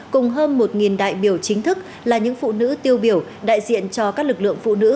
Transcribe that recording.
cùng hơn một đại biểu chính thức là những phụ nữ tiêu biểu đại diện cho các lực lượng phụ nữ